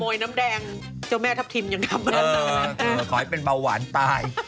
ยน้ำแดงเจ้าแม่ทัพทิมยังทำเหมือนเดิมขอให้เป็นเบาหวานตาย